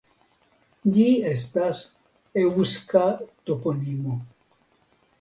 Ĝi estas eŭska toponimo.